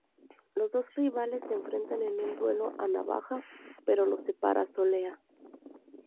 Los dos rivales se enfrentan en un duelo a navaja, pero los separa Soleá.